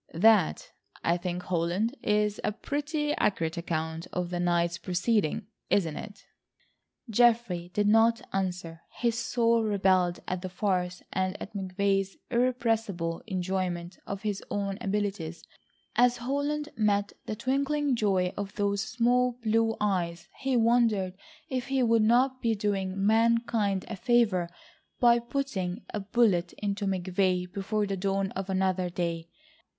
That, I think, Holland, is a pretty accurate account of the night's proceeding, isn't it?" Geoffrey did not answer. His soul rebelled at the farce, and at McVay's irrepressible enjoyment of his own abilities. As Holland met the twinkling joy of those small blue eyes, he wondered if he would not be doing mankind a favour by putting a bullet into McVay before the dawn of another day.